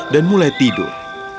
dan mulai tidur